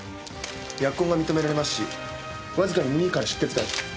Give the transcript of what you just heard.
扼痕が認められますしわずかに耳から出血がある。